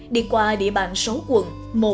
đi qua địa bàn sáu quận